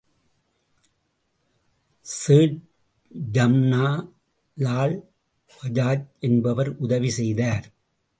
சேட்ஜம்னா லால் பஜாஜ் என்பவர் உதவி செய்தார்.